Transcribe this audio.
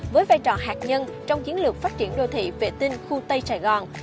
với vai trò hạt nhân trong chiến lược phát triển đô thị vệ tinh khu tây sài gòn